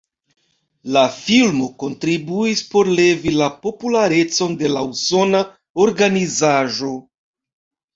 La filmo kontribuis por levi la popularecon de la usona organizaĵo.